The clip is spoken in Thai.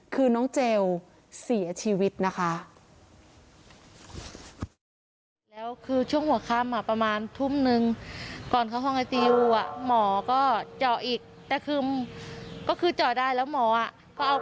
คือน้องเจลเสียชีวิตนะคะ